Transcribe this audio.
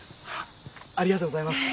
ありがとうございます。